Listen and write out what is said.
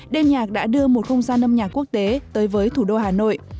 đêm nhạc đã đưa một không gian âm nhạc quốc tế tới với thủ đô hà nội